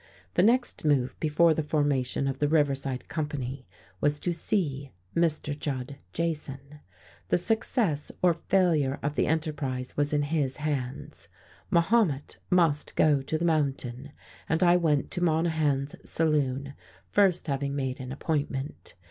The next move, before the formation of the Riverside Company, was to "see" Mr. Judd Jason. The success or failure of the enterprise was in his hands. Mahomet must go to the mountain, and I went to Monahan's saloon, first having made an appointment.